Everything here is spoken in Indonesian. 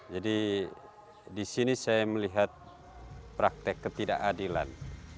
jadi di sini saya melihat praktek ketidakadilan